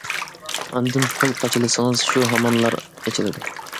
ئاندىن پۇل قاچىلىسىڭىز شۇ ھامانلا ئېچىلىدۇ.